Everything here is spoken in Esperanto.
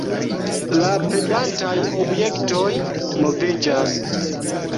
La pendantaj objektoj moviĝas.